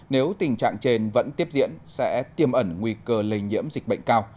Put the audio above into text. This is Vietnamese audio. nếu tình trạng trên vẫn tiếp diễn sẽ tiêm ẩn nguy cơ lây nhiễm dịch bệnh cao